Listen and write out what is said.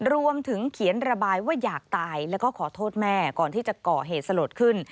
รวมถึงเขียนระบายว่าอยากตายแล้วก็ขอโทษแม่ก่อนที่จะก่อเหตุสลดขึ้น